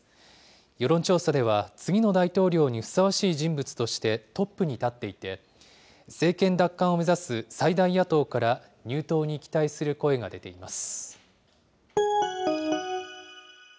世論調査では、次の大統領にふさわしい人物としてトップに立っていて、政権奪還を目指す最大野党から、入党に期待する声が出ています。